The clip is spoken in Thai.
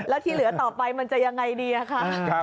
แล้วที่เหลือต่อไปมันจะยังไงดีคะ